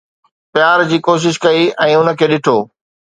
پيار جي ڪوشش ڪئي ۽ ان کي ڏٺو